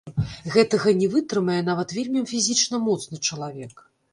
Гэтага не вытрымае нават вельмі фізічна моцны чалавек!